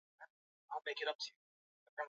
Dobi aliziosha nguo zote